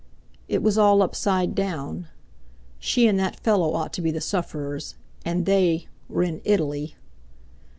It was all upside down. She and that fellow ought to be the sufferers, and they—were in Italy!